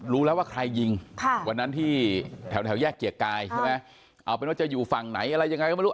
รู้แล้วว่าใครยิงวันนั้นที่แถวแยกเกียรติกายใช่ไหมเอาเป็นว่าจะอยู่ฝั่งไหนอะไรยังไงก็ไม่รู้